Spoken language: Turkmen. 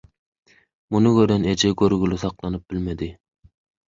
Muny gören eje görgüli saklanyp bilmedi –